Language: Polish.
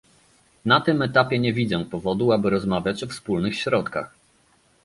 Na tym etapie nie widzę powodu, aby rozmawiać o wspólnych środkach